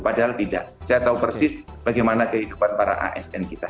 padahal tidak saya tahu persis bagaimana kehidupan para asn kita